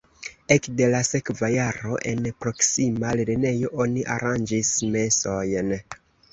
Ekde la sekva jaro en proksima lernejo oni aranĝis mesojn.